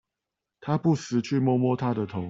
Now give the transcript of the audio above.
他不時去摸摸她的頭